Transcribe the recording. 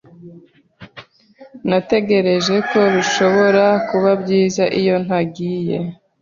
Natekereje ko bishobora kuba byiza iyo ntagiye.